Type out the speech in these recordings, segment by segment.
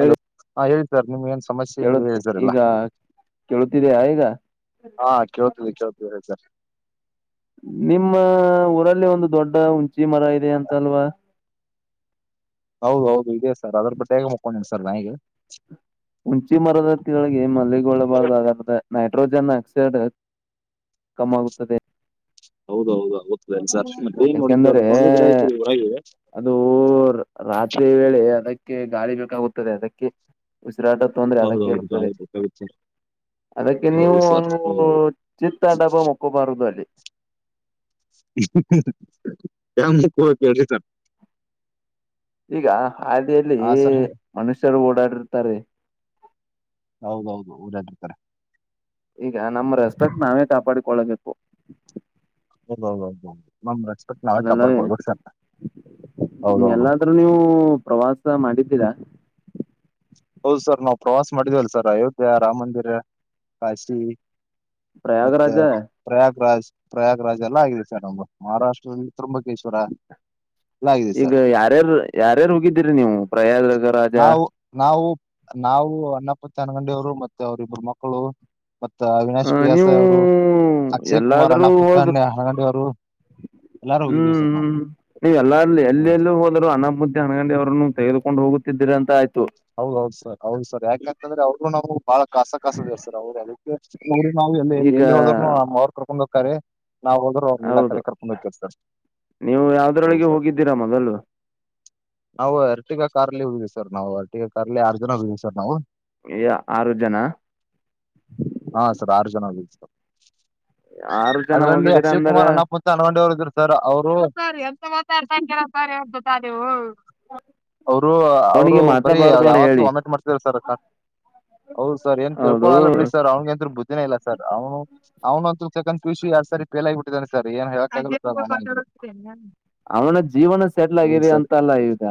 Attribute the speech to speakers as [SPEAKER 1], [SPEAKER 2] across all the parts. [SPEAKER 1] Hello ಹಾ ಹೇಳಿ sir ನಿಮಗೇನ್?
[SPEAKER 2] ಕೇಳುತ್ತೆ ಈಗ ಕೇಳುತ್ತಿದೆಯ ಈಗ.
[SPEAKER 1] ಹಾ ಕೇಳ್ತದೆ ಕೇಳ್ತದೇ ರಿ ಸರ್.
[SPEAKER 2] ನಿಮ್ಮ ಊರಲ್ಲಿ ಒಂದು ದೊಡ್ಡ ಹುಣ್ಸಿ ಮರ ಇದೆ ಅಂತಲ್ವಾ.
[SPEAKER 1] ಹೌದ್ಹೌದು ಇದೆ ಸರ್ ಅದರ್ ಬದ್ದೇಗ ಮಕ್ಕೋಂಡಿನ್ ಸರ್ ನಾನೀಗ.
[SPEAKER 2] ಹುಣ್ಸಿ ಮರದತ್ತ ಕೆಳಿಗೆ ಮಲ್ಲಿಗೊಳ್ಳಬಾರದ್ ನೈಟ್ರೋಜನ್ ಆಕ್ಸೈಡ್ ಕಮ್ಮ್ ಆಗುತ್ತದೆ.
[SPEAKER 1] ಹೌದೌದು ಹೋಗ್ತದೆಲ್ಲ ಸರ್ ಮತ್ತೆ
[SPEAKER 2] ಯಾಕೆಂದರೆ
[SPEAKER 1] [unintelligible] ಗಿಡ ಐತೀರಿ.
[SPEAKER 2] ಅದು ರಾತ್ರಿ ವೇಳೆ ಅದಕ್ಕೆ ಗಾಳಿ ಬೇಕಾಗುತ್ತದೆ ಅದಕ್ಕೆ ಉಸಿರಾಟ. ತೊಂದರೆ
[SPEAKER 1] ಹೌದೌದು
[SPEAKER 2] ಅದಕ್ಕಿರುತ್ತದೆ.
[SPEAKER 1] ಗಾಳಿ ಬೇಕಾಗಿತ್ತು ಸರ್
[SPEAKER 2] ಅದಕ್ಕೆ ನೀವು
[SPEAKER 1] ಹೌದು ಸರ್
[SPEAKER 2] ಒಂದ್
[SPEAKER 1] ಹೌದೌದು
[SPEAKER 2] ಚಿತ್ತಡಬ ಮುಕ್ಕೋಬಾರದು ಅಲ್ಲಿ.
[SPEAKER 1] [unintelligible]
[SPEAKER 2] ಈಗ ಹಾದಿಯಲ್ಲಿ
[SPEAKER 1] ಹಾ ಸರ್
[SPEAKER 2] ಮನುಷ್ಯರು ಓಡಾಡಿರ್ತಾರ್ರೀ.
[SPEAKER 1] ಹೌದೌದು ಊರಗಿರ್ತಾರೆ.
[SPEAKER 2] ಈಗ ನಮ್ಮ ರೆಸ್ಪೆಕ್ಟ್ ನಾವೇ ಕಾಪಾಡಿಕೊಳ್ಳಬೇಕು.
[SPEAKER 1] ಹೌದ್ ಹೌದ್ ಹೌದೌದು ನಮ್ ರೆ
[SPEAKER 2] ಅದೆಲ್ಲವೇ
[SPEAKER 1] ಹೌದೌದೌದು
[SPEAKER 2] ಎಲ್ಲಾದ್ರೂ ನೀವು ಪ್ರವಾಸ. ಸ ಮಾಡಿದ್ದೀರಾ?
[SPEAKER 1] ಹೌದು ಸರ್ ನಾವು ಪ್ರವಾಸ ಮಾಡಿದೇವಲ್ಲ ಸರ್ ಅಯೋಧ್ಯ ರಾಮ ಮಂದಿರ ಕಾಶಿ. ಮತ್ತೆ.
[SPEAKER 2] ಪ್ರಯಾಗರಾಜ
[SPEAKER 1] ಪ್ರಯಾಗ್ರಾಜ್ ಪ್ರಯಾಗ್ರಾಜ್ ಎಲ್ಲಾ ಆಗಿದೆ ಸರ್ ನಮ್ದು ಮಹಾರಾಷ್ಟ್ರದಲ್ಲಿ ತ್ರುಂಬಕೇಶ್ವರ ಆಗಿದೆ
[SPEAKER 2] ಈಗ
[SPEAKER 1] ಸರ್
[SPEAKER 2] ಯಾರ್ಯಾರ್ ಯಾರ್ಯಾರ್ ಹೋಗಿದಿರಿ ನೀವು ಪ್ರಯಾದ್ರಗ ರಾಜ?
[SPEAKER 1] ನಾವು ನಾವು ನಾವು ಅನ್ನಪ್ಪತಿನಗಂಡಿ ಅವ್ರು ಮತ್ತೆ ಅವ್ರ ಇಬ್ಬರು ಮಕ್ಕಳು ಮತ್ತ
[SPEAKER 2] ಆ,
[SPEAKER 1] ಅವಿನಾಶ್ ಪಿಯಾಸ
[SPEAKER 2] ನೀವು
[SPEAKER 1] ಅವರು ಅಕ್ಷಯ್ ಕುಮಾರ್
[SPEAKER 2] ಎಲ್ಲಾದ್ರೂ
[SPEAKER 1] ಅಣ್ಣ
[SPEAKER 2] ಹೋದ್
[SPEAKER 1] ಪುತ್ತಣ್ಣ [unintelligible] ಅವರು ಎಲ್ಲಾರು ಹೋಗಿದೀವಿ
[SPEAKER 2] ಹ್ಮ್
[SPEAKER 1] ಸರ್ ನಾವು
[SPEAKER 2] ಹ್ಮ್ ನೀ ಎಲ್ಲೂ ಎಲ್ಲ
[SPEAKER 1] ಹೌದ
[SPEAKER 2] ಎಲ್ಲೂ ಹೋದರೂ ಅನ ಬ ಹಣಗಂಡಿ ಅವ್ರನ್ನು ತೆಗೆದುಕೊಂಡು ಹೋಗುತ್ತಿದ್ದರ ಅಂತ ಆಯ್ತು.
[SPEAKER 1] ಹೌದೌದ್ ಸರ್ ಹೌದು ಸರ್ ಯಾಕ ಅಂತಂದ್ರೆ ಅವ್ರರ್ಗೂ ನಾವು ಬಹಳ ಖಾಸ ಖಾಸದಿವ್ ಸರ್ ಅವ್ರು ನಾವು ಎ
[SPEAKER 2] ಈಗ
[SPEAKER 1] ಎಲ್ಲಿ ಹೋದ್ರುನು ಕರ್ಕೊಂಡ್ ಹೋಗ್ತಾರೆ ನಾವು ಹೋದ್ರು. ಅವಲ್ಲ
[SPEAKER 2] ಹೌದು
[SPEAKER 1] ಕರೆ ಕರ್ಕೊಂಡ [unintelligible] ಸರ್
[SPEAKER 2] ನೀವು
[SPEAKER 1] ಅ ಹೌದು
[SPEAKER 2] ಯಾವ್ದ್ರೊಳಗೆ
[SPEAKER 1] ಸರ್.
[SPEAKER 2] ಹೋಗಿದ್ದೀರಾ ಮೊದಲು
[SPEAKER 1] ನಾವು ಅರ್ಟಿಗಾ ಕಾರ್ಲ್ಲಿ ಹೋಗಿದ್ವಿ ಸರ್ ನಾವು ಅರ್ಟಿಗ ಕಾರ್ಲ್ಲಿ ಆರು ಜನ ಹೋಗಿದ್ವಿ ಸರ್ ನಾವು.
[SPEAKER 2] ಈ ಆರು ಜನ.
[SPEAKER 1] ಹಾ ಸರ್ ಆರು ಜನ ಹೋಗಿದ್ವಿ ಸರ್
[SPEAKER 2] ಆರು ಜನ
[SPEAKER 1] ಅದರಲ್ಲಿ
[SPEAKER 2] ಹೋಗಿದ್ದೀರಾ
[SPEAKER 1] ಅಕ್ಷಯ್
[SPEAKER 2] ಅಂದ್ರ
[SPEAKER 1] ಕುಮಾರ್ ಅಣ್ಣಪ ತಂಡಿವರು ಇದ್ರು ಅವ್ರು [unintelligible] ಅವ್ರು ಅವ್ರು
[SPEAKER 2] ಅವನಿಗೆ
[SPEAKER 1] ಬರೀ
[SPEAKER 2] ಮಾತಾಡಬಾರ್ದು ಅಂತ
[SPEAKER 1] ಯಾವತ್ತೂ
[SPEAKER 2] ಹೇಳಿ
[SPEAKER 1] ವಾಮಿಟ್ ಮಾಡ್ತಿದ್ವಿ ಸರ್ ಹೌದು ಸರ್ ಏನ್
[SPEAKER 2] ಹೌದು
[SPEAKER 1] ಕೇಳ್ಕೊಳಲ್ಲ ಬಿಡಿ ಸರ್. ಸರ್ ಅವ್ನಿಗೆ ಅಂದ್ರು ಬುದ್ಧಿನೇ ಇಲ್ಲ ಸರ್ ಅವನು ಅವನು ಅಂತ ತಕಂತ ಕಷಿ ಸರಿ ಪೇಲಾಗ್ಬಿಟ್ಟಿದಾನೆ ಸರ್ ಏನ್ ಹೇಳಕ್
[SPEAKER 2] ಅವನಗ್ ಜೀವನದ್ ಸೆಟ್ಲ್
[SPEAKER 1] ಹೌದು
[SPEAKER 2] ಆಗಿರಿ
[SPEAKER 1] ಸರ್
[SPEAKER 2] ಅಂತಲ್ಲ ಈಗ.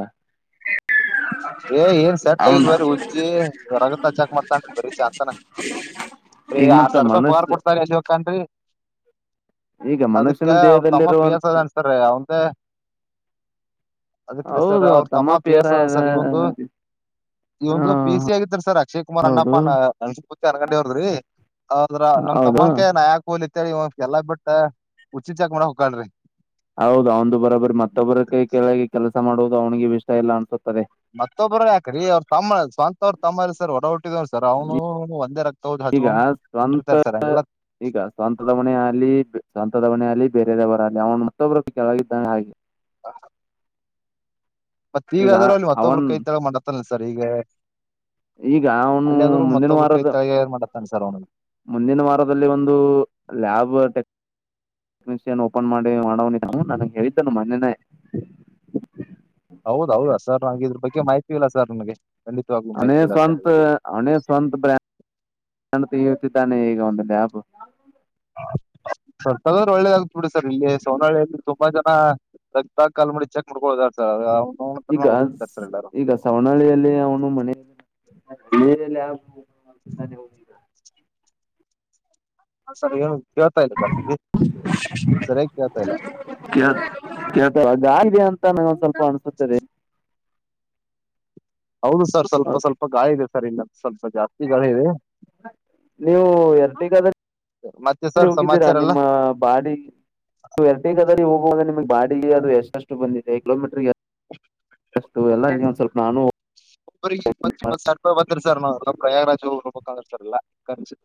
[SPEAKER 1] ಏ ಏನ್ ಸೆಟ್ಲ್ ಆಗಿಲ್
[SPEAKER 2] ಅವನ
[SPEAKER 1] ಬರೀ ಹುಚ್ಚಿ ರಗತ ಚೆಕ್ ಮಾಡ್ತಾ ಬರೀ ಸಂಜೆತಾನ. ರಿ
[SPEAKER 2] ಈಗ
[SPEAKER 1] ಆರ್
[SPEAKER 2] ಮತ್ತ
[SPEAKER 1] ಸಾವಿ ರೂಪಾಯ ಪಗಾರ್
[SPEAKER 2] ಮನುಷ್ಯ
[SPEAKER 1] ಕೊಡ್ತಾರ ರಿ ಎಲ್ಲಿ ಹೋಗ್ತಾನ ರಿ.
[SPEAKER 2] ಈಗ
[SPEAKER 1] ಅದಕ್ಕ
[SPEAKER 2] ಮನುಷ್ಯನ
[SPEAKER 1] ಅವ್ರ ತಮ್ಮ ಪಿ
[SPEAKER 2] ದೇಹದಲ್ಲಿರುವಂತ
[SPEAKER 1] ಎಸ್ ಅದಾನ್ ಸರ್ ಅವಂದ. ಅದಕ್ಕ ರೀ ಸರ್ ಅವ್ರ ತಮ್ಮ ಪಿ ಎಸ್ ಅದಾನ ಸರ್ ಇ ಒಂದು.
[SPEAKER 2] ಹ
[SPEAKER 1] ಇವ್ನು ಪಿ ಸಿ ಆಗಿರಿ ಸರ್ ಅಕ್ಷಯ್ ಕುಮಾರ್ ಅಣಪ್ಪ
[SPEAKER 2] ಹೌದು
[SPEAKER 1] ನನ್ಸಿ ಯಾರಗಣವಿ ಅವ್ರದ್ರಿ. ಆದ್ರ ನಮ
[SPEAKER 2] ಹೌದು
[SPEAKER 1] ತಮ್ಮನ ಕೈಯಾಗ ನಾ ಯಾಕ ಹೋಲಿ ಅಂತ್ಹೇಳಿ ಇವ ಎಲ್ಲಾ ಬಿಟ್ಟ [unintelligible] ಮಾಡಕ್ ಹೋಗ್ತಾನ್ರಿ.
[SPEAKER 2] ಹೌದು ಅವಂದು ಬರೋಬರಿ ಮತ್ತೊಬ್ಬರ ಕೈ ಕೆಳಗೆ ಕೆಲಸ ಮಾಡುವುದು ಅವನಿಗೆ ಇಷ್ಟ ಇಲ್ಲ ಅನಿಸುತ್ತದೆ.
[SPEAKER 1] ಮತ್ತೊಬ್ಬರು ಯಾಕ್ರೀ ಅವ್ರ ತಮ್ಮ ಸ್ವಂತ ಅವ್ರ ತಮ್ಮ ಸರ್ ಒಡಹುಟ್ಟಿ. ಸರ್ ಅವ್ನು ಒಂದೇ ರಕ್ತ ಹ್
[SPEAKER 2] ಈಗ
[SPEAKER 1] ಹಚ್ಕೊಂಡ್
[SPEAKER 2] ಸ್ವಂತ
[SPEAKER 1] ಹೊಂಟಿರ್ತಾರೆ ಸರ್ ಹಗೆಲ್ಲ.
[SPEAKER 2] ಈಗ ಸ್ವಂತದ ಮನೆ ಆಲಿ ಸ್ವಂತದ ಮನೆಲಿ ಬೇರೆಯದೇವರ ಆಲಿ ಅವನು ಮತ್ತೊಬ್ಬರ ಕೆಳಗೆದ್ದಾನೆ ಹಾಗೆ.
[SPEAKER 1] ಹಾ. ಮತ್ತ
[SPEAKER 2] ಈಗ
[SPEAKER 1] ಈಗಾದ್ರರು ಅಲ್ಲಿ ಮತ್ತೊಬ್ರು
[SPEAKER 2] ಅವನ್
[SPEAKER 1] ಕೈ ತೆಲಗ ಮಾಡತ್ತಲ್ಲ ಸರ್ ಈಗ.
[SPEAKER 2] ಈಗ ಅವನು
[SPEAKER 1] ಅಲ್ವೇ ಆದ್ರೂ
[SPEAKER 2] ಮುಂದಿನ
[SPEAKER 1] ಮತ್ತೊಬ್ಬ್ರ
[SPEAKER 2] ವಾರದ
[SPEAKER 1] ಕೈತ ಏ್ ಮಾಡತಾನೆ ಸರ್ ಅವನಿಗೆ.
[SPEAKER 2] ಮುಂದಿನ ವಾರದಲ್ಲಿ ಒಂದು ಲ್ಯಾಬ್ ಟೆಕ್. ಓಪನ್ ಮಾಡಿ ಮಾಡ್ವಾನ್ ಇದ್ನ ಅವನು ನಂಗೆ ಹೇಳಿದ್ದನು ಮೊನೆ.
[SPEAKER 1] ಹೌದ ಹೌದಾ ಸರ್ ನ್ ಇದ್ರ ಬಗ್ಗೆ ಮಾಹಿತಿ ಇಲ್ಲ ಸರ್ ನನ್ಗೆ.
[SPEAKER 2] ಅವನೇ ಸ್ವಂತ ಅವನೇ ಸ್ವಂತ ಬ್ರ್ಯಾಂಡ್ಂಡ ತತಿದ್ದಾನೆ ಈಗ ಒಂದು ಲ್ಯಾಬ್. [unintelligible]
[SPEAKER 1] ಸರ್ ತಗದ್ರ ಒಳ್ಳೇದಾಗಗ್ತ ಬಿಡಿ ಸರ್ ಇಲ್ಲಿ ಸೋನಳಿಯಲ್ಲಿ ತುಂಬಾ ಜನ ರಕ್ತ ಕಲ್ಮಡಿ ಚಕ್. ಮುಡ್ಕೋದರ್ ಅವತ್ರರ [unintelligible] ಇಲ್ಲಾರು.
[SPEAKER 2] ಸವನಳ್ಳಿಯಲ್ಲಿ ಅವನು ಮನ. [unintelligible]
[SPEAKER 1] ಸರ ಏನು ಕೇಳ್ತಾ ಇಲ್ಲ ಕಾಂತೇತಿ ಸರಿಯಾಗಿ ಕೇಳ್ತಾ ಇಲ್ಲ.
[SPEAKER 2] ಕೆಳ್ತ ಗಾಳಿಇದೆ ಅಂತಾನು ಸ್ವಲ್ಪ ಅನ್ಸುತ್ತದೆ.
[SPEAKER 1] ಹೌದು ಸರ್ ಸ್ವಲ್ಪ ಸ್ವಲ್ಪ ಗಾಳಿ ಇದೆ ಸರ್ ಇನ್ನ ಸ್ವಲ್ಪ ಜಾಸ್ತಿ ಗಾಳಿ ಇದೆ.
[SPEAKER 2] ನೀವು ಎರಟಿಗಾದ
[SPEAKER 1] ಮತ್ತೆ ಸರ್
[SPEAKER 2] ಹೋಗಿದ್ದೀರಾ
[SPEAKER 1] ಸಮಾಚಾರ ಎಲ್ಲ
[SPEAKER 2] ನಿಮ್ಮ ಬಾಡಿ. ಎರಡಗದದಲ್ಲಿ ಹೋಗುವಾಗ ನಿಮಗ್ ಬಾಡಿಗೆ ಅದು ಎಷ್ಟು ಬಂದಿದೆ ಕಿಲೋಮೀಟರ್. ಅಷ್ಟು ಎಲ್ಲ ಒಂದ ಸ್ವಲ್ಪ ನಾನು.
[SPEAKER 1] ಇಬ್ರಿ ಇಪ್ಪತ್ ಇಪ್ಪತ್ ಸಾವಿರ ರೂಪಾಯಿ ಬಂತ್ರಿ ಸರ್ ನ ಪ್ರಯಾಗಾಜ್ರುೋಗಬೇಕ್ರರ್ ಸರ್ ಎಲ್ಲಖರ್ಚು.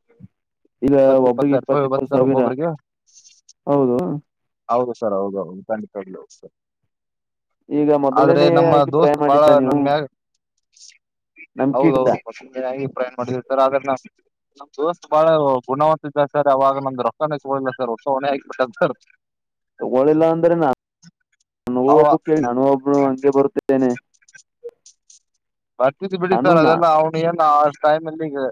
[SPEAKER 2] ಈಗ
[SPEAKER 1] ಪತ್ತ ಇಪ್ಪತ್
[SPEAKER 2] ಒಬ್ರಿಗೆ
[SPEAKER 1] ಸಾವಿರ ರೂಪಾಯಿ ಒಬತ್ತು
[SPEAKER 2] ಇಪ್ಪತ್
[SPEAKER 1] ಸರ್
[SPEAKER 2] ಸಾವಿರ
[SPEAKER 1] ಒಬ್ಬೊಬ್ರಿಗೆ.
[SPEAKER 2] ಹೌದು
[SPEAKER 1] ಹೌದು ಸರ್ ಹೌದು ಖಂಡಿತವಾಗಲು ಹೌದು ಸರ್.
[SPEAKER 2] ಈಗ
[SPEAKER 1] ಆದ್ರೆ
[SPEAKER 2] ಮೊದಲನೇ
[SPEAKER 1] ನಮ್ಮ
[SPEAKER 2] ಆಗಿ ಪ್ರಯ
[SPEAKER 1] ದೋಸ್ತ್ ಬಾಳ
[SPEAKER 2] ಮಾಡಿದ್ದ ನೀವು
[SPEAKER 1] ನನ್ ಮ್ಯಾಗ್.
[SPEAKER 2] ನಮ್ಕಿ ಇಡ್ದ
[SPEAKER 1] ಹೌದೌದು ಪಸಾಗಿ ಪ್ರಯಾಣ ಮಾಡಿದ ಸರ್ ಆದ್ರ ನ. ನಮ್ ದೋವಸ್ತ್ ಬಾಳ ಗುಣವಂತಿದ್ದ ಸರ್ ಅವವಾಗ ನಮ್ದ ರೊಕಿಲ್ಲ ತಗೊಂಡಿಲ್ಲ ಸರ್ ಅಷ್ಟು ಅವನ ಹಾಕ್ಬಿಟ್ಟ ಸರ್.
[SPEAKER 2] ತಗೋಳಿಲ್ಲ ಅಂದ್ರೆ ನಾ [inaudible] ನೋ
[SPEAKER 1] ಅವ
[SPEAKER 2] ಒಬ್ಬ ಕೇಳ ನಾನ ಒಬ್ನು ಹಂಗೆ ಬರುತ್ತ. ಏನೇ.
[SPEAKER 1] ಬರ್ತತಿ ಬಿಡಿ ಸರ್ ಅದೆಲ್ಲ ಅವ್ನು ಏನು. ಟೈಮ ಇಲ್ಲಿಗ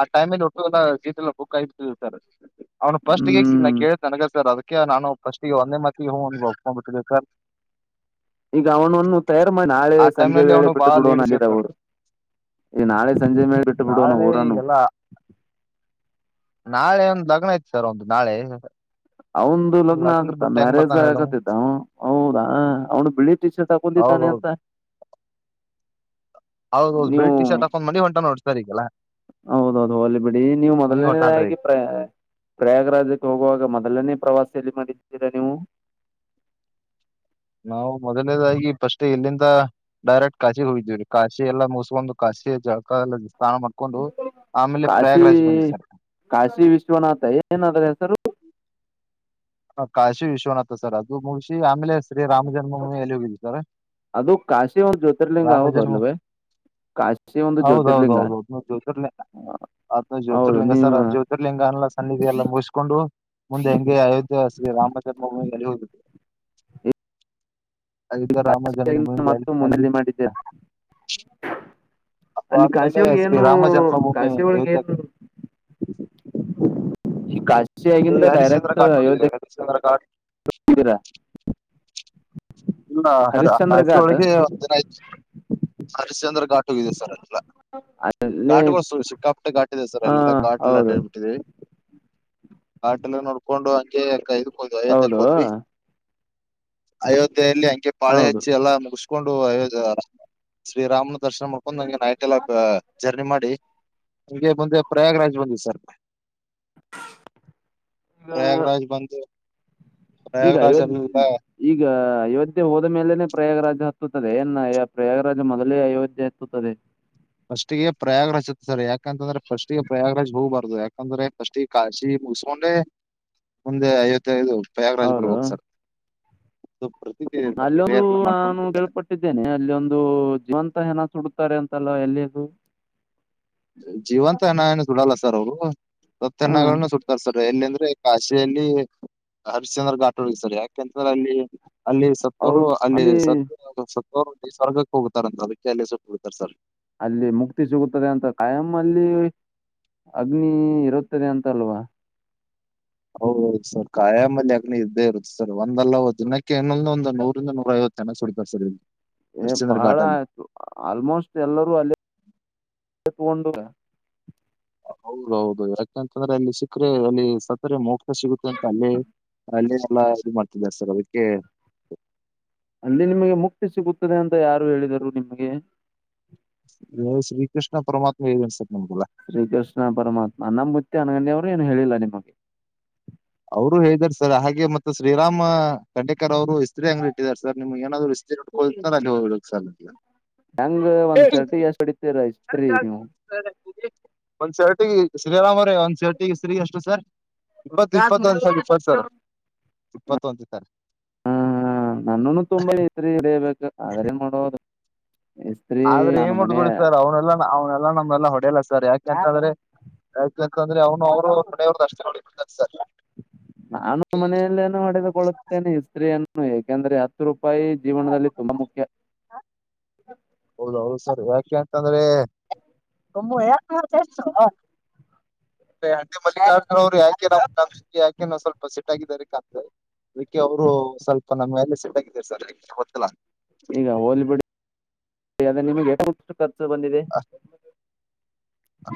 [SPEAKER 1] ಆ ಟೈಮ್ಲ್ಲಿ ಒಟ್ಟು ಎಲ್ಲ ಸೀಟ್ ಎಲ್ಲ ಬುಕ್ ಆಗಿರ್ತವಿ ಸರ್. ಅವ್ನು ಫಸ್ಟ್ ಗೆ
[SPEAKER 2] ಹ್ಮ್
[SPEAKER 1] ಕೇಳಿದ ನನಗ ಸರ್ ಅದಕ್ಕೆ ನಾನು ಫಸ್ಟ್ ಒಂದೇ ಮಾತಿಗೆ ಹೂ ಅಂತ ಒಪ್ಕೊಂಡ್ ಬಿಟ್ಟಿದ್ದೆ ಸರ್.
[SPEAKER 2] ಈಗ ಅವನನ್ನು ತಯಾರು ಮಾಡಿ ನಾಳೆ
[SPEAKER 1] ಆ ಟೈಮ್
[SPEAKER 2] ಸಂಜೆ
[SPEAKER 1] ನಲ್ಲಿ
[SPEAKER 2] ವೇಳೆ
[SPEAKER 1] ಅವನು
[SPEAKER 2] ಬಿಟ್ಟು
[SPEAKER 1] ಬಾಳ
[SPEAKER 2] ಬಿಡೋವಣ.
[SPEAKER 1] ಲೀಡ್ ಇದ್ದ
[SPEAKER 2] ಇಲ್ಲಿದ
[SPEAKER 1] ಸರ್
[SPEAKER 2] ಊರು ಈ ನಾಳೆ ಸಂಜೆ ಮೇಲೆ ಬಿಟ್ಟು ಬಿಟ್ಟುಬಿಡೋಣ
[SPEAKER 1] ನಾಳೆ
[SPEAKER 2] ಊರನ್ನು.
[SPEAKER 1] ಈಗೆಲ್ಲಾ ನಾಳೆ ಒಂದು ಲಗ್ನ ಐತ್ ಸರ್ ಒಂದು ನಾಳೆ.
[SPEAKER 2] ಅವಂದು ಲಗ್ನ
[SPEAKER 1] ಲಗ್ನದ್
[SPEAKER 2] ಆಗತ್ತ
[SPEAKER 1] ಬಿಟ್ಟು ಹೆಂಗ್
[SPEAKER 2] ಮ್ಯಾರೇಜ್
[SPEAKER 1] ಬರ್ತಾನ ಹೇಳು
[SPEAKER 2] ಆಗತಿದ್ದ ಹೌದಾ ಅವ್ನು ಬಿಳಿ ಟಿ ಶರ್ಟ್ ಹಾಕೊಂಡಿದ್ದಾನೆ
[SPEAKER 1] ಹೌದೌದು
[SPEAKER 2] ಅಂತ. [inaudible]
[SPEAKER 1] ಹೌದೌ ಬಿಳಿ
[SPEAKER 2] ನೀವು
[SPEAKER 1] ಟಿ ಶರ್ಟ್ ಹಾಕೊಂಡ ಮನಿಗ್ ಹೊಂಟ ನೋಡ್ರೆ ಈಗಲ್ಲ.
[SPEAKER 2] ಹೌದೌದು ಹೋಗ್ಲಿ ಬಿಡಿ ನೀವು
[SPEAKER 1] ಮನಿಗ್ ಹೊಂಟಾನ್ರಿ
[SPEAKER 2] ಮೊದಲನೇದಾಗಿ ಪ್ರ. ಪ್ರಯಾಗರಾಜಕ್ಕೆ ಹೋಗುವಾಗ ಮೊದಲನೇ ಪ್ರವಾಸಲ್ಲಿ ಮಾಡಿದ್ದೀರಾ ನೀವು
[SPEAKER 1] ನಾವು ಮೊದಲನೇದಾಗಿ ಫಸ್ಟ್ ಎಲ್ಲಿಂದ ಡೈರೆಕ್ಟ್ ಕಾಶಿಗೆ ಹೋಗಿದೀವಿರಿ ಕಾಶಿ ಎಲ್ಲ ಮುಸ್ಕೊಂದು ಕಾಶಿ ಜಳಕ ಎ ಸ್ನಾನಮ ಹಾಕೊಂಡು ಆಮೇಲೆ
[SPEAKER 2] ಕಾಶಿ
[SPEAKER 1] ಪ್ರಯಾಗರಾಜ್ ಬಂದಿದೆ ಸರ್
[SPEAKER 2] ಕಾಶಿ ವಿಶ್ವನಾಥ ಏನಾದ್ರ ಹೆಸರು
[SPEAKER 1] ಹ ಕಾಶಿ ವಿಶ್ವನಾಥ್ ಸರ್ ಅದು ಮುಗಶಿ ಆಮೇಲೆ ಶ್ರೀ ರಾಮ ಜನ್ಮಮಿ ಎಲ್ಲಿ ಹೋಗಿದ ಸರ
[SPEAKER 2] ಅದು ಕಾಶಿ ಒಂದು ಜ್ಯೋತಿರ್ಲಿಂಗ
[SPEAKER 1] ರಾಮ
[SPEAKER 2] ಹೌದು
[SPEAKER 1] ಜನ್ಮ
[SPEAKER 2] ಅಲ್ವೇ ಕಾಶಿ ಒಂದು
[SPEAKER 1] ಹೌದೌದ
[SPEAKER 2] ಜ್ಯೋತಿರ್ಲಿಂಗ
[SPEAKER 1] ಹೌದೌದು ಜಸರ್ಲ ಅದು
[SPEAKER 2] ಹೌದು
[SPEAKER 1] ಜ್ಯೋತಿರ್ಲಿಂಗ
[SPEAKER 2] ನೀವು
[SPEAKER 1] ಸರ್ ಜ್ಯೋತಿರ್ಲಿಂಗ ಅಲ್ಲ ಸನ್ನಿಧ ಎಲ್ಲ ಮು ಕಕೊಂಡು ಮುಂದೆ ಹೆಂಗೆ ಅಯೋಧ್ಯ ಶೀ ರಾಮ ಜನ್ಮಭೂಮಿ ಎಲಿ ಹೋಗಿದೆ ಅಯೋಧ್ಯ ರಾಮ ಜನ್ಮಭೂಮಿಗೆ ಅಲ್ಲಿ
[SPEAKER 2] ಮತ್ತ
[SPEAKER 1] ಅಲ್ಲಿ
[SPEAKER 2] ಮನೆಯಲ್ಲಿ ಮಾಡಿದ್ದ್ಯಾ ಅಲ್ಲಿ ಕಾಶಿ
[SPEAKER 1] ಅದಾದ್ಮೇಲೆ
[SPEAKER 2] ಒಳಿಗೆ
[SPEAKER 1] ಶ್ರೀ
[SPEAKER 2] ಏನು
[SPEAKER 1] ರಾಮ ಜನ್ಮಭೂಮಿ
[SPEAKER 2] ಕಾಶಿ ಒಳಗೆ
[SPEAKER 1] ಅಯೋಧ್ಯೆ
[SPEAKER 2] ಏನು ಈ ಕಾಶಿಯಾಗಿಂದ
[SPEAKER 1] ಹರಿಶ್ಚಂದ್ರ
[SPEAKER 2] ಡೈರೆಕ್ಟ್
[SPEAKER 1] ಘಾಟ್ ನೋಡಿದ್ದೇವೆ ಹರಿಶ್ಚಂದ್ರ ಘಾಟ್
[SPEAKER 2] ಅಯೋಧ್ಯೀರಾ
[SPEAKER 1] ಇಲ್ಲ ಅದ
[SPEAKER 2] ಹರಿಶ್ಚಂದ್ರ
[SPEAKER 1] ಆಕಾಶಿ
[SPEAKER 2] ಘಾಟ್
[SPEAKER 1] ಒಳಿಗೆ ಒಂದಿನ ಆಯ್ತು ಹರಶ್ ಚಂದ್ರ ಘಾಟ್ [unintelligible] ಇದೆ ಸರ್
[SPEAKER 2] ಅಲ್ಲಿ ಹಾ
[SPEAKER 1] ಅಲ್ಲೆಲ್ಲಘಾಟ್ಲ್ಲಿ ಆಟ
[SPEAKER 2] ಹೌದು
[SPEAKER 1] ಹಬಿಟ್ಟಿದವಿ ನೋಡ್ಕೊಂಡು ಹಂಗೆಾದು ಹೋದು ಅಯೋಧ್ಯೆ
[SPEAKER 2] ಹೌದು
[SPEAKER 1] ಹೋದ್ವಿ ಅಯೋಧ್ಯೆಯಲ್ಲಿ ಹಂಗೆ
[SPEAKER 2] ಹೌದು
[SPEAKER 1] ಬಾಳೆಹಚ್ಚಿ ಎಲ್ಲ ಮುಗ ಕಕೊಂಡು ಅಯೋ ಶ್ರೀರಾಮ್ನ ದರ್ಶನ ಮಾಡ್ಕೊಂಡ್ ನಂಗೆ ನೈಟ್ ಎಲ್ಲ ಜರ್ನಿ ಮಾಡಿ ಹಗೆ ಮುಂದೆ ಪ್ರಯಾಗರಾಜ್ ಬಂದಿದೆ ಸರ್ ಪ್ರಯಾಗರಾಜ ಬನ್ತ
[SPEAKER 2] ಈಗ ಇವತ್ತು ಈಗ ಅಯೋಧ್ಯೆ ಹೋದ ಮೇಲೆನೆ ಪ್ರಯಾಗರಾಜ ಹತ್ತುತ್ತದೆ ನ್ ಪ್ರಯಾಗರಾಜ ಮೊದಲೇ ಅಯೋಧ್ಯೆ ಎತ್ತುತ್ತದೆ
[SPEAKER 1] ಫಸ್ಟ್ ಪ್ರಯಾಗರಾಜ್ತ್ ಸರ್ ಯಾಕಂತಂದ್ರೆ ಫಸ್ಟ್ ಪ್ರಯಾಗರಾಜ್ ಹೋಗಬಾರು ಯಾಕಂದ್ರೆಫಸ್ಗೆ ಕಾಶಿ ಮುಗಿಸಕೊಂಡ್ರೆ ಮುಂದೆ ಐವತ್ತೈದು ಪ್ರಯಾಗರಾಜ್ಪುರ
[SPEAKER 2] ಹೌದು
[SPEAKER 1] ಹೋಗ್ಸರ್ ಪ್ರತಿಕ್ರಿಯೆ
[SPEAKER 2] ಅಲ್ಲಿಂದು ನಾನು ಗೆಲ್ಪಟ್ಟ ದ್ದೇನೆ ಅಲ್ಲಿ ಒಂದು ಜೀವಂತ ಹೆನ ಸುಡುತ್ತಾರೆ ಅಂತಲ್ಲ ಎಲ್ಲಿೂ
[SPEAKER 1] ಜೀವಂತ ಅನ್ನನ ಸುಡಲ್ಲ ಸರ್ ಅವರು
[SPEAKER 2] ಹ್ಮ್
[SPEAKER 1] ಸತ್ತಣನ್ನ ಸುಡ್ತಾರೆ ಸರ್ ಎಲ್ಲಿಂದ್ರೆ ಕಾಶಲ್ಲಿ ಹರಿಶ್ಚಂದ್ರ ಘಾಟ್ರು ಇದ್ದಾರೆ ಯಾಕೆಂತಂದ್ರೆ ಅಲ್ಲಿ ಅಲ್ಲಿ ಸ್ವ ಸತ್ತವರು ಅಲ್ಲಿ ಸ ಸತ್ತವರುಲ್ಲಿ ಸ್ವರ್ಗಕ್ಕೆ ಹೋಗತಾರ ಅಂತ ಅದಕ್ಕೆ ಅಲ ಹೋಗತಾರೆ ಸರ್
[SPEAKER 2] ಅಲ್ಲಿ ಮುಕ್ತಿ ಸಿಗುತ್ತದೆ ಅಂತ ಕಾಯಂ ಅಲ್ಲಿ ಅಗ್ನಿ ಇರುತ್ತದೆ ಅಂತ ಅಲ್ವಾ
[SPEAKER 1] ಹೌದೌದು ಸರ್ ಕಾಯ ಮಲ್ಲಿ ಯಗ್ನ ಇದ್ದೇ ಇರುತ್ತೆ ಸರ್ ಒಂದಲ್ಲ ದಿನಕ್ಕೆ ಇನ್ನೊಂದ ಒಂದು ನೂರಿಂದ ನೂರ ಐವತ್ತು ಚನ್ನ ಸಿಪ ಸರ್
[SPEAKER 2] ಏ
[SPEAKER 1] ಹರಿಶ್ಚಂದ್ರ
[SPEAKER 2] ಬಹಳ
[SPEAKER 1] ಘಾಟಲ್ಲಿ
[SPEAKER 2] ಆಯ್ತು ಆಲ್ಮೋಸ್ಟ್ ಎಲ್ಲರೂ ಅಲ್ಲಿ ತಗೊಂಡು
[SPEAKER 1] ಹೌದೌದು ಯಾಕೆಂತಂದ್ರೆ ಅಲ್ಲಿ ಸಿಕ್ಕರೆ ಅಲ್ಲಿ ಸತ್ತರೆ ಮೋಕ್ಷ ಸಿಗುತ್ತೆ ಅಂತ ಅಲ್ಲಿ ಅಲ್ಲಿ ಎಲ್ಲ ಇದು ಮಾಡ್ತಿದಿದ್ದಾರೆ ಸರ್ ಅದಕ್ಕೆ
[SPEAKER 2] ಅಲ್ಲಿ ನಿಮಗೆ ಮುಕ್ತಿ ಸಿಗುತ್ತದೆ ಅಂತ ಯಾರು ಹೇಳಿದರು ನಿಮಗೆ
[SPEAKER 1] ಇ ಶ್ರೀಕೃಷ್ಣ ಪರಮಾತ್ಮ ಏ ಅನ್ಸಕ್ ನಮ್ಗೆಲ್ಲ
[SPEAKER 2] ಶ್ರೀಕೃಷ್ಣ ಪರಮಾತ್ಮ ನಮ್ಮ ಮುತ್ತಿ ಅನಗಂಡಿಯವರು ಏನು ಹೇಳಿಲ್ಲ ನಿಮಗೆ
[SPEAKER 1] ಅವ್ರು ಹೇಳಾರೆ ಸರ್ ಹಾಗೆ ಮತ್ತ ಶ್ರೀರಾಮ ಕಂಡೇಕರ್ ಅವರು ಇಸ್ತ್ರಿ ಅಂಗ್ರು ಇಟ್ಟಿದ್ದಾರೆ ಸರ್ ನಿಮ್ಗೆ ಏನಾದ್ರು ಅ
[SPEAKER 2] ಹೆಂಗ ಒಂದ್ ಶರ್ಟಿ ಎಷ್ಟ ಹೊಡತಿರತ್ರಿ ನೀವು
[SPEAKER 1] ಒಂದ್ ಸರ್ಟಿ ಶ್ರೀರಾಮ್ ರೇ ಒಂದ್ ಸೆರ್ಟಿಗೆ ಸಿಗ ಅಷ್ಟು ಸರ್ ಇ ಇಪ್ಪತ್ತೊಂದ ಸರಿ ಇಪ್ಪತ್ತು ಸ ಇಪ್ಪತ್ತೊಂದು ಸರ
[SPEAKER 2] ಹಾ ನನ್ನನು ತುಂಬಾ ಇದರಿ ಹಿಡಿಯಬೇಕು ಆದ್ರೆ ನೋಡೋದು
[SPEAKER 1] ಆದ್ರೆ ಏನ್ ಮುಟ್ಬಿಡಿ ಸರ್ ಅವ್ನೆಲ್ಲಾ ಅವ್ನೆಲ್ಲಾ ನಮ್ಮಲ್ಲ ಹೊಡೆಯಲ್ಲ ಸರ್ ಯಾಕೆಂತಂದ್ರೆ ಯಾಕಾಕಂದ್ರೆ ಅವ್ನು ಅವರು ಹೊಡೆಯವ್ರರು ಅಷ್ಟ ನಡಿ ಬಿಡ್ತಾರೆ ಸರ್
[SPEAKER 2] ನಾನು ಮನೆಯಲ್ಲೇನ ಹೊಡೆದುಕೊಳ್ಳುತ್ತೇನೆ ಇಸ್ತ್ರಯನ್ನು ಯಾಕೆಂದ್ರೆ ಹತ್ತು ರೂಪಾಯಿ ಜೀವನದಲ್ಲಿ ತುಂಬಾ ಮುಖ್ಯ
[SPEAKER 1] ಹೌದ ಹೌದು ಸರ್ ಯಾಕೆಂತಂದ್ರೆ
[SPEAKER 2] [inaudible]
[SPEAKER 1] ತ ಎಷ್ಟ ಅ ಮಲ್ಲಿಕಾರ್ಜುನ ಅವರು ಯಾಕೆ ಯಾಕೆನ ಸ್ವಲ್ಪ ಸಿಟ್ಟಾಗಿದ್ದಾರೆ ಕಾಣತದೆ ಅದಕ್ಕೆ ಅವರು ಸ್ವಲ್ಪ ನಮ ಎಲ್ಲ ಸಿಟ್ ಆಗ ಸ ಗೊತ್ತ
[SPEAKER 2] ಈಗ ಹೋಲಿ ಬಿಡಿ ಅ್ರ ನಿಮಗೆಷ್ಟ ಖರ್ಚು ಬಂದಿದೆ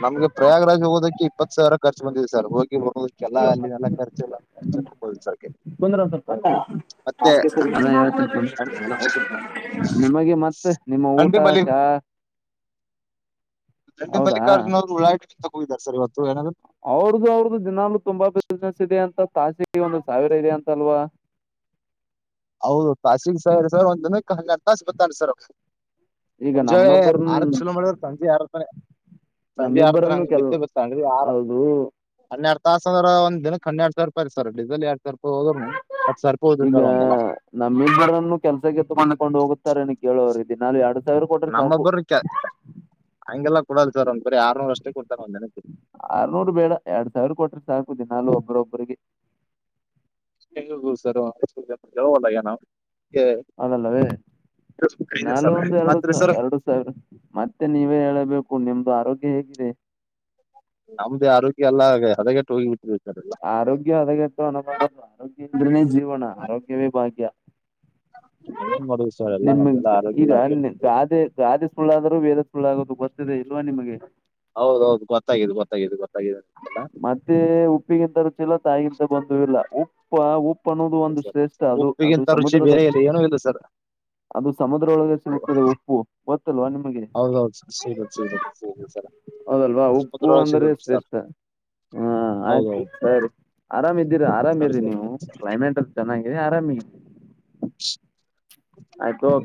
[SPEAKER 1] ನಮ್ಗೆ ಪ್ರಯಾಗರಾಜ್ ಓದಕ್ಕೆ ಇಪ್ಪತ್ತು ಸಾವಿರ ಖರ್ ಬಂದಿದೆ ಸರ್ ಹೋಗಿ ಎಲ್ಲ ಅಲ್ಲಿ ನಲ್ಲ ಖರ್ಚೆಲ್ಲಸ ಮತ್ತೆ
[SPEAKER 2] ಅದ ಹೇಳ್ತೀನಿ ಕುಂದ್ರು. ನಿಮಗೆ ಮತ್ತೆ ನಿಮ್ಮ ಊಟ
[SPEAKER 1] ಹಂಡಿ ಮಲ್ಲಿ
[SPEAKER 2] ಚಾ
[SPEAKER 1] ತಂಡೆ
[SPEAKER 2] ಹೌದಾ
[SPEAKER 1] ಮಲ್ಲಿಕಾರ್ಜುನ ಅವರುಳಾಟ ತಗ ಹೋಗಿದ್ದಾರೆ ಸರ್ ಇವತ್ತು ನಾದರು
[SPEAKER 2] ಅವ್ರದ್ದು ಅವ್ರ್ದು ದಿನಾೂ ತುಂಬಾ ಬಿಸ್ನೆಸ್ ಇದೆ ಅಂತ ತಾಸಿಗೆ ಒಂದು ಸಾವಿರ ಇದೆ ಅಂತಲ್ವಾ
[SPEAKER 1] ಹೌದು ತಾಾಸಿಗೆ ಸರಿ ಸರ್ ಒಂದ ದಿನಕ್ಕೆ ಹನ್ನೆರಡು ತಾಸು ಬತ್ತತಾನ ಸರ್
[SPEAKER 2] ಈಗ
[SPEAKER 1] ಮುಂಜಾಗೆ
[SPEAKER 2] ನಮ್ನೊಬ್ಬರ
[SPEAKER 1] ಆರ ಚಲೋ ಮಾಡಿದ್ರ ಸಂಜೆ ಆರ ಸಂಜೆ ಆರ ಹತ್ತ
[SPEAKER 2] ನಮ್ಮಿಬ್ಬರನ್ನು
[SPEAKER 1] ನಂಗೆ
[SPEAKER 2] ಕೆಲ್
[SPEAKER 1] ಬಿತ್ತೇ ಬಸ್ತಿ ಆರ
[SPEAKER 2] ಹೌದು
[SPEAKER 1] ಹನ್ನೆರಡು ತಾಸ ಅ್ರದ ದಿನ ಕಣ್ಣ ಎಡ್ ಸರ್ಪರಿ ಸರ್ ಡೀಲ್ ಎರ ಸರ್ಪ ಹೋದ್ನು ಮತ್ ಸರ್ಪ ಹೋದ್ ಸರ್ ಒಂದಲ್ಲ
[SPEAKER 2] ನಮ್ಮಲ್ರನ್ನು ಕೆಲ್ಸ ತಕೊಂಡಕೊಂಡು ಹೋಗುತ್ತಾರೆ ಕೇಳೋವರು ಇದಿನ ಯ
[SPEAKER 1] ನಮ್ಮಬ್ಬರ ಹಂಗೆಲ್ಲ ಕೊಡಲ್ ಸರ್ ಒಂದ್ ಬರ ಆರ್ನೂರು ಅಷ್ಟೇ ಕೊಡ್ತಾರೆ ಒಂದ್ ನೆಪ
[SPEAKER 2] ಆರ್ನೂರ್ ಬೇಡ ಎರಡ್ ಸಾವಿರ ಕೊಟ್ರ ಸಾಕು ದಿನಾಾಲು ಒಬ್ಬ್ರೊಬ್ಬ್ರರಿಗೆ
[SPEAKER 1] ಹ ಸರ್ ಯಾವಲ್ಲ ಯ ನಾವು
[SPEAKER 2] ಅದಲ್ಲವೇ
[SPEAKER 1] ಇದೆ
[SPEAKER 2] ನಾಲು
[SPEAKER 1] ಸರ್
[SPEAKER 2] ಒಂದು ಎರಡು
[SPEAKER 1] ಮತ್ರಿ ಸರ್
[SPEAKER 2] ಎರಡು ಸ ಮತ್ತೆ ನೀವೇ ಹೇಳಬೇಕು ನಿಮ್ದು ಆರೋಗ್ಯ ಹೇಗಿದೆ
[SPEAKER 1] ನಮ್ದೇ ಆರೋಗ್ಯ ಎಲ್ಲ ಹದಗೆಟ್ಟ ಹೋಗಿ ಬಿಟ್ಟಾರೆಲ್ಲ
[SPEAKER 2] ಆರೋಗ್ಯ ಹದಗೆಟ್ಟು ಅನಭ ಆರೋಗ್ಯಂದ್ರನೇ ಜೀವನ ಆರೋಗ್ಯವೇ ಭಾಗ್ಯ
[SPEAKER 1] ಏನ್ ಮಾಡುದು ಸರ್ ಎಲ್ಲ
[SPEAKER 2] ನಿಮಗ್
[SPEAKER 1] ನಮ್ದಲ್ಲ ಆರೋಗ್ಯ ಎಲ್ಲ
[SPEAKER 2] ಈಗ ನಿ- ಗಾದೆ ಗಾದೆ ಸುಳ್ಳಾದರೂ ವೇದ ಸುಳ್ಳುಾಗೋದು ಬರ್ತಿದೆ ಇಲ್ವಾ ನಿಮಗೆ
[SPEAKER 1] ಹೌದೌದು ಗೊತ್ತು ಗೊತ್ತಿದ್ದು ಗೊತ್ತಾಗಿದೆಲ್ಲ
[SPEAKER 2] ಮತ್ತೆ ಉಪ್ಪಿಗಿಂತ ರುಚಿಲ್ಲ ತಾಯಿಗಿಂತ ಬಂದು ಇಲ್ಲ ಉಪ್ಪ ಉಪ್ಪ ಅನ್ನುದು
[SPEAKER 1] ಹೌದು
[SPEAKER 2] ಒಂದು
[SPEAKER 1] ಸರ್
[SPEAKER 2] ಶ್ರೇಷ್ಠ ಅದು ಅದು
[SPEAKER 1] ಉಪ್ಪಿಗಿಂತ ರುಚಿ
[SPEAKER 2] ಸಮುದ್ರದ
[SPEAKER 1] ಬೇರೆ ಇಲ್ಲ ಏನೂ ಇಲ್ಲ ಸರ್
[SPEAKER 2] ಅದು ಸಮುದ್ರ ಒಳಗೆ ಸಿಗುತ್ತದೆ ಉಪ್ಪು ಗೊತ್ತಲ್ವಾ ನಿಮಗೆ
[SPEAKER 1] ಹೌದೌದು ಸರ್ ಸಿಗುತ್ತ ಸಿಗ ಸಿಗ ಸರ್
[SPEAKER 2] ಹೌದಲ್ವಾ ಉಪ್ಪು
[SPEAKER 1] ಉದ
[SPEAKER 2] ಅಂದ್ರೆ
[SPEAKER 1] ಸಿಗ ಸರ್
[SPEAKER 2] ಶ್ರೇಷ್ಠ ಹಾ ಆಯ್ತು
[SPEAKER 1] ಹೌದೌದು
[SPEAKER 2] ಸರಿ ಆರಾಮ್ ಇದ್ದೀರಿ
[SPEAKER 1] ಸರಿ
[SPEAKER 2] ಆರಾಮಿ್ರಿ
[SPEAKER 1] ಸರಿ
[SPEAKER 2] ನೀವು ಕ್ ಚೆನ್ನಾಗಿದೆ ಆರಾಮಿ
[SPEAKER 1] ಶ್
[SPEAKER 2] ಆಯ್ತು